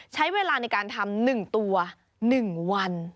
ใช้เวลาในการทำ๑ตัว๑วัน